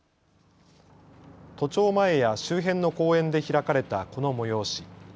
都庁前や周辺の公園で開かれたこの催し。